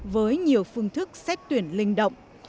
với nhiều phương thức xét tuyển linh động